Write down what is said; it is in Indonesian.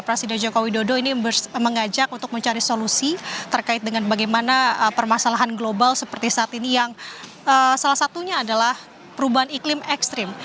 presiden joko widodo ini mengajak untuk mencari solusi terkait dengan bagaimana permasalahan global seperti saat ini yang salah satunya adalah perubahan iklim ekstrim